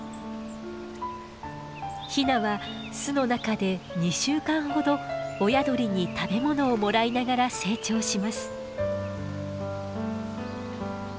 ヒナは巣の中で２週間ほど親鳥に食べ物をもらいながら成長します。